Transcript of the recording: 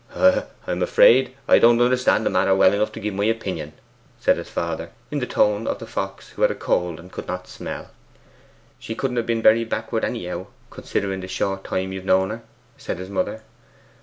'I'm afraid I don't understand the matter well enough to gie my opinion,' said his father, in the tone of the fox who had a cold and could not smell. 'She couldn't have been very backward anyhow, considering the short time you have known her,' said his mother.